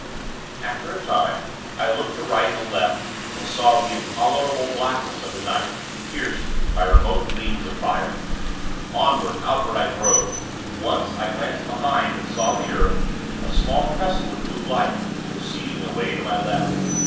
After a time, I looked to right and left, and saw the intolerable blackness of the night, pierced by remote gleams of fire. Onward, outward, I drove. Once, I glanced behind, and saw the earth, a small crescent of blue light, receding away to my left.